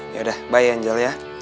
yaudah bye angel ya